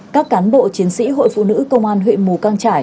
các cán bộ chiến sĩ hội phụ nữ công an huyện mù cát